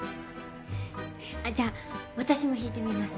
あじゃあ私も引いてみます。